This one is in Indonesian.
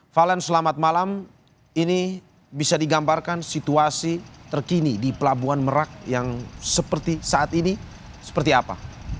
valen selamat malam ini bisa digambarkan situasi terkini di pelabuhan merak yang seperti saat ini seperti apa